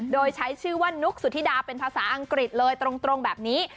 โดยใช้ชื่อว่านุกสุธิดาเป็นภาษาอังกฤษเลยตรงแบบนี้